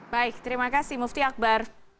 baik terima kasih mufti akbar